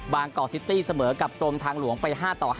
บางกอร์ซิตี้เสมอกับตรมทางหลวงไป๕๕